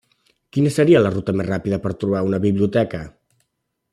Quina seria la ruta més ràpida per trobar una biblioteca?